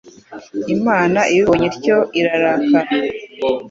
Imana ibibonye ityo irarakara